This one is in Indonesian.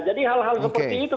jadi hal hal seperti itu